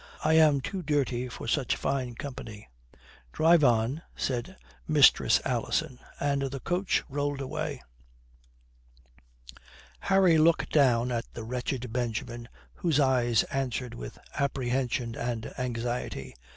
I am too dirty for such fine company." "Drive on," said Mistress Alison. And the coach rolled away. Harry looked down at the wretched Benjamin, whose eyes answered with apprehension and anxiety.